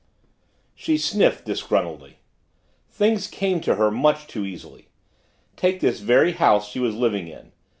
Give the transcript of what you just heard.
She sniffed disgruntledly. Things came to her much too easily. Take this very house she was living in.